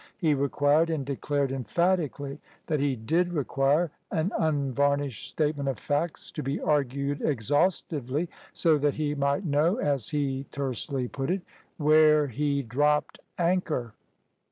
He required, and declared emphatically that he did require, an unvarnished statement of facts, to be argued exhaustively, so that he might know as he tersely put it where he dropped anchor.